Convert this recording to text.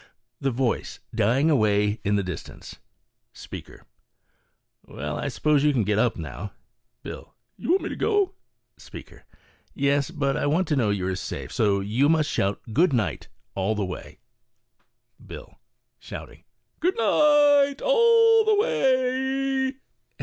THE VOICE DYING AWAY IN THE DISTANCE. Speaker. " Well, I suppose you can get up now." Bill '; Tou want me to go ?" Speaker. "Yes, but I want to know you're safe, so you must shout ' Good night 1' all the way." Bill (shouting). "Good night, all the way.